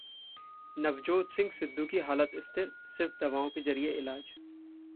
नवजोत सिंह सिद्धू की हालत स्थिर, सिर्फ दवाओं के जरिए इलाज